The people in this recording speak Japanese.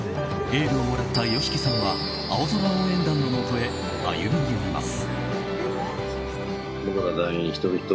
エールをもらったＹＯＳＨＩＫＩさんは青空応援団のもとへ歩み寄ります。